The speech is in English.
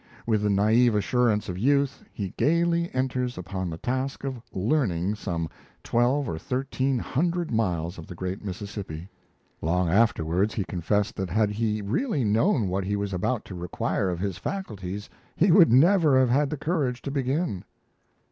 With the naive assurance of youth, he gaily enters upon the task of "learning" some twelve or thirteen hundred miles of the great Mississippi. Long afterwards, he confessed that had he really known what he was about to require of his faculties, he would never have had the courage to begin.